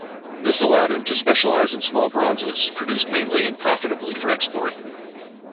This allowed him to specialize in small bronzes, produced mainly and profitably for export.